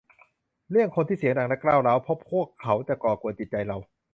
หลีกเลี่ยงคนที่เสียงดังและก้าวร้าว เพราะพวกเขาจะก่อกวนจิตใจเรา